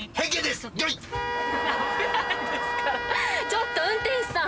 ちょっと運転手さん！